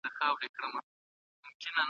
تاسو ته اجازه نشته چې د چا شخصیت ته زیان ورسوئ.